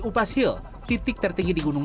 upas hil titik tertinggi di gunung